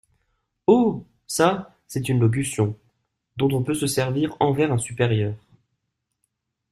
Oh ! ça, c’est une locution… dont on peut se servir envers un supérieur…